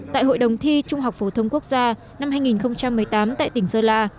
tại hội đồng thi trung học phổ thông quốc gia năm hai nghìn một mươi tám tại tỉnh sơn la